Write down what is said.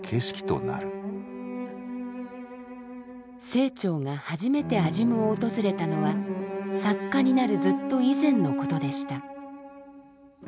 清張が初めて安心院を訪れたのは作家になるずっと以前のことでした。